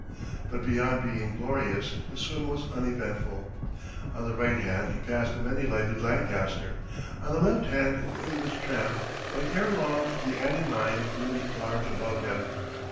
But beyond being glorious the swim was uneventful. On the right hand he passed the many lighted Lancaster, on the left hand the English tramp, and ere long the Annie Mine loomed large above him.